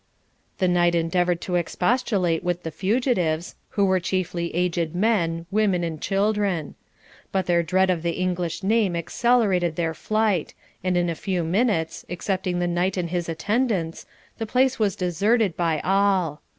The knight endeavoured to expostulate with the fugitives, who were chiefly aged men, women, and children; but their dread of the English name accelerated their flight, and in a few minutes, excepting the knight and his attendants, the place was deserted by all.